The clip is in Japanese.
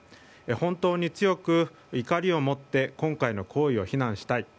本当に強く怒りを持って今回の行為を非難したい。